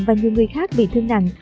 và nhiều người khác bị thương nặng